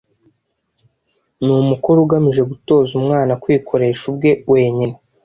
Ni umukoro ugamije gutoza umwana kwikoresha ubwe wenyine